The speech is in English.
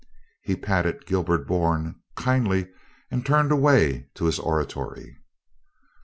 He patted Gilbert Bourne kindly and turned away to his oratory.